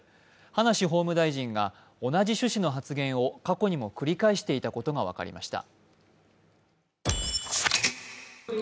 葉梨法務大臣が同じ趣旨の発言を過去にも繰り返していたことが分かりました。